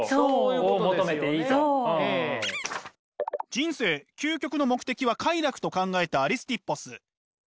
「人生究極の目的は快楽」と考えたアリスティッポス。